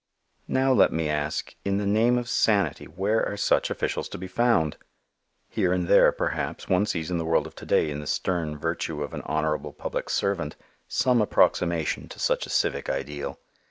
Now let me ask in the name of sanity where are such officials to be found? Here and there, perhaps, one sees in the world of to day in the stern virtue of an honorable public servant some approximation to such a civic ideal.